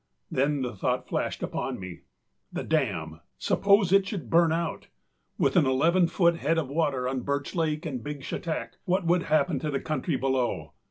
â Then the thought flashed upon me: The dam, suppose it should burn out. With an eleven foot head of water on Birch Lake and Big Chetak, what would happen to the country below?